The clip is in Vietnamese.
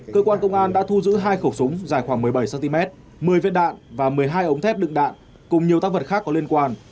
cơ quan đã thu giữ hai khẩu súng dài khoảng một mươi bảy cm một mươi vết đạn và một mươi hai ống thép lựng đạn cùng nhiều tác vật khác có liên quan